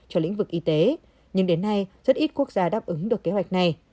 cho lĩnh vực y tế nhưng đến nay rất ít quốc gia đáp ứng được kế hoạch này